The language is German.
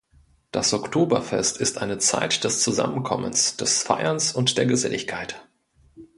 Das Oktoberfest ist eine Zeit des Zusammenkommens, des Feierns und der Geselligkeit.